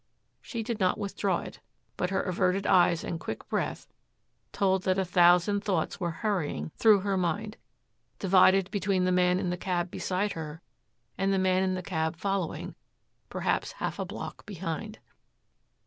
She did not withdraw it, but her averted eyes and quick breath told that a thousand thoughts were hurrying through her mind, divided between the man in the cab beside her and the man in the cab following perhaps half a block behind.